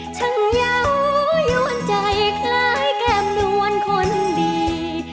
เงายวนใจคล้ายแก้มนวลคนดี